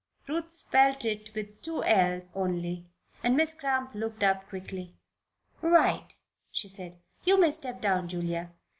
Ruth spelled it with two 'l's' only and Miss Cramp looked up quickly. "Right," she said. "You may step down, Julia.